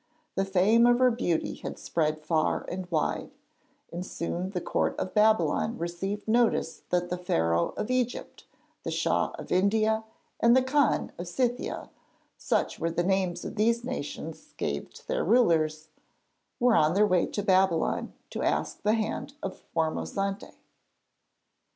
The fame of her beauty had spread far and wide, and soon the Court of Babylon received notice that the Pharaoh of Egypt, the Shah of India, and the Khan of Scythia such were the names these nations gave to their rulers were on their way to Babylon to ask the hand of Formosante.